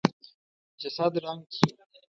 جسد ړنګ شو.